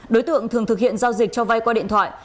đối tượng thường thực hiện giao dịch cho vay qua điện thoại